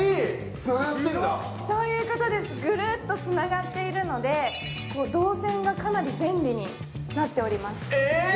ぐるっとつながっているので動線がかなり便利になっております。